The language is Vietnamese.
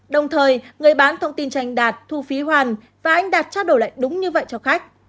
đồng thời người bán thông tin tranh đạt thu phí hoàn và anh đạt trao đổi lại đúng như vậy cho khách